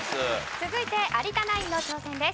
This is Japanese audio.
続いて有田ナインの挑戦です。